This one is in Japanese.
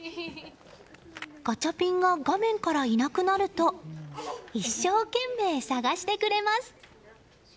ガチャピンが画面からいなくなると一生懸命、探してくれます。